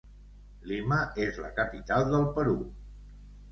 Lima és la capital del Perú.